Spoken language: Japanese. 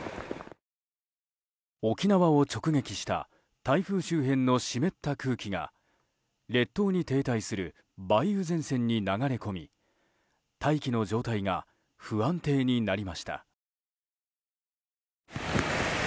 沖縄を直撃した台風周辺の湿った空気が列島に停滞する梅雨前線に流れ込み大気の状態が不安定になりました。